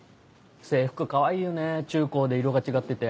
制服かわいいよね中高で色が違ってて。